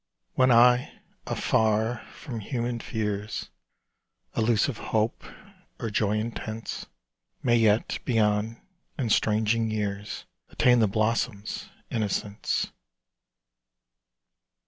When I, afar from human fears, Illusive hope or joy intense, May yet, beyond estranging years, Attain the blossom's innocence.